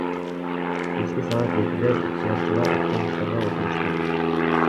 Кечки саат жетиде ыктыярчылар автобустарга отурушту.